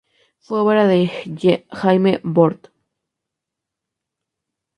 Fue obra de Jaime Bort.